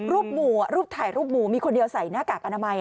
หมู่รูปถ่ายรูปหมู่มีคนเดียวใส่หน้ากากอนามัย